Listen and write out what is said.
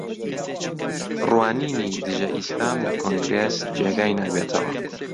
ڕوانینی دژە ئیسلام لە کۆنگرێس جێگای نابێتەوە